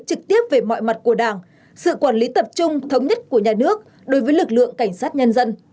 trực tiếp về mọi mặt của đảng sự quản lý tập trung thống nhất của nhà nước đối với lực lượng cảnh sát nhân dân